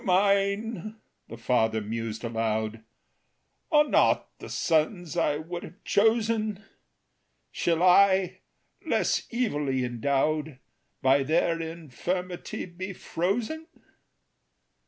"Though mine," the father mused aloud, "Are not the sons I would have chosen, Shall I, less evilly endowed, By their infirmity be frozen?